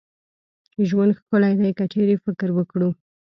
ژوند ښکلې دي که چيري فکر وکړو